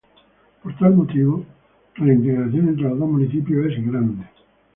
Por tal motivo la integración entre los dos municipios es grande.